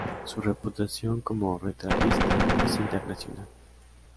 Su reputación como retratista es internacional.